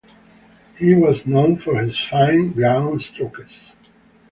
He was known for his fine groundstrokes.